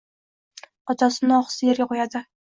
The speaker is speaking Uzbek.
Otasi uni ohista yerga qo‘yardi…